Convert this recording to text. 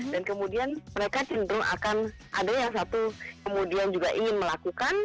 dan kemudian mereka cenderung akan ada yang satu kemudian juga ingin melakukan